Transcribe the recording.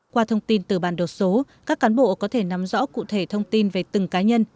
qua thông tin từ bản đồ số các cán bộ có thể nắm rõ cụ thể thông tin về từng cá nhân